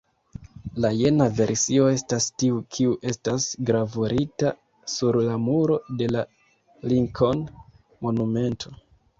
La jena versio estas tiu kiu estas gravurita sur la muro de la Lincoln-monumento.